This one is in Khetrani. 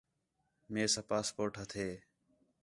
میساں پاسپورٹ ہتھے